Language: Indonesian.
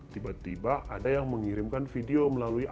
tiba tiba ada yang mengirimkan video melalui akun